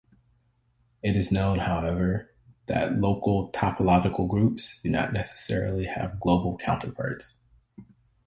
It is known, however, that "local topological groups" do not necessarily have global counterparts.